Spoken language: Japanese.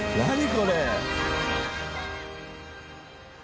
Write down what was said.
これ！